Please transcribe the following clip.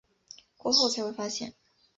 过后才会发现